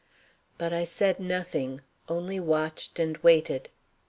But I said nothing, only watched and waited.